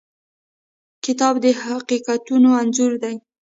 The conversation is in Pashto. کتاب د حقیقتونو انځور دی.